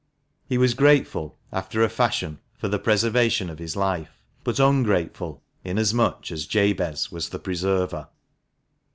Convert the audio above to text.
He was grateful — after a fashion — for the preservation of his life ; but ungrateful, inasmuch as Jabez was the preserver.